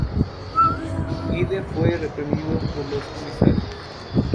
Ide fue reprendido por los comisarios.